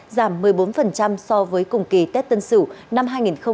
giảm một mươi bốn so với cùng kỳ tết tân sửu năm hai nghìn hai mươi một